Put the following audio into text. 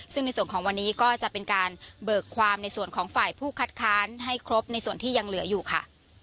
ซึ่งในส่วนของวันนี้ก็จะเป็นการเบิกความในส่วนของฝ่ายผู้คัดค้านให้ครบในส่วนที่ยังเหลืออยู่ค่ะ